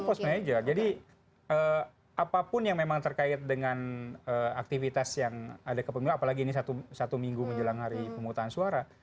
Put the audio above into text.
force major jadi apapun yang memang terkait dengan aktivitas yang ada ke pemilu apalagi ini satu minggu menjelang hari pemutusan suara